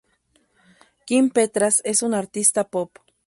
Kim Petras es una artista pop.